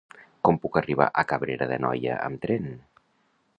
Com puc arribar a Cabrera d'Anoia amb tren?